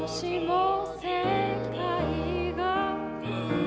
うん。